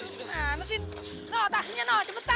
nah nasi noh tasinya noh cepetan